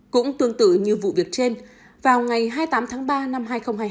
cũng tương tự như vụ việc trên vào ngày hai mươi tám tháng ba năm hai nghìn hai mươi